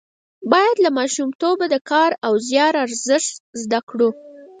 باید له ماشومتوبه د کار او زیار ارزښت زده کړو.